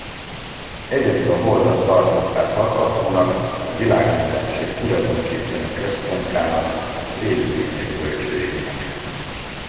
Egyedül a holdat tartották lakhatónak, a világmindenség tulajdonképpeni központjának, az élőlények bölcsőjének.